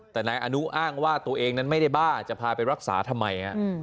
แต่นายอนุอ้างว่าตัวเองนั้นไม่ได้บ้าจะพาไปรักษาทำไม